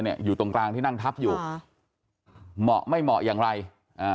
อยู่ตรงกลางที่นั่งทับอยู่ค่ะเหมาะไม่เหมาะอย่างไรอ่า